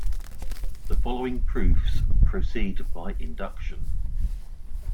The following proofs proceed by induction.